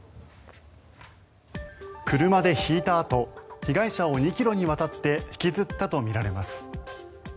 車でひいたあと被害者を２ｋｍにわたって引きずったとみられます。